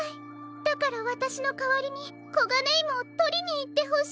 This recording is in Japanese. だからわたしのかわりにコガネイモをとりにいってほしいの。